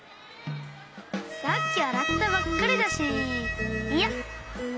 さっきあらったばっかりだしいいや！